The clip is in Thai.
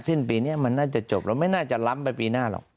สิ้นปีนี้มันน่าจะจบแล้วไม่น่าจะล้ำไปปีหน้าหรอก